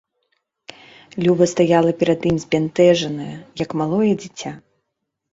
Люба стаяла перад ім збянтэжаная, як малое дзіця.